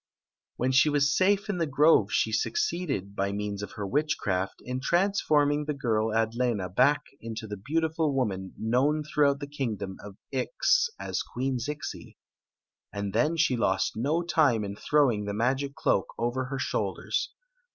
When she was safe in the grove she succeeded, by means of her witchcraft, in transforming the girl Adlena back into the beautiful woman known through out the kingdom of Ix as Queen Zixi. And then she lost no time in throwing the magic cloak over her shoulders.